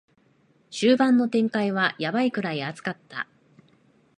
終盤の展開はヤバいくらい熱かった